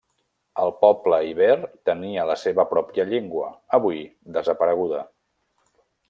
El poble iber tenia la seva pròpia llengua, avui desapareguda.